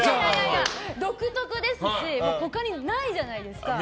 独特ですし他にないじゃないですか。